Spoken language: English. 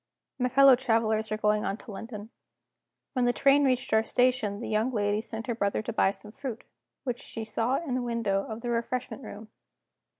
My fellow travelers were going on to London. When the train reached our station the young lady sent her brother to buy some fruit, which she saw in the window of the refreshment room.